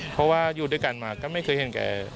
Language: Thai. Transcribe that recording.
เพราะว่าอยู่ด้วยกันมาก็ไม่เคยเห็นแก